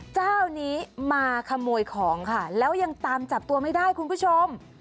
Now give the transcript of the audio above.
เจ้านี้มาขโมยของค่ะแล้วยังตามจับตัวไม่ได้คุณผู้ชม